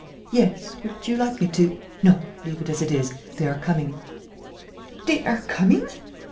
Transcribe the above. "Yes ... would you like me to ...?" "No, leave it as it is. They are coming." "They are coming!"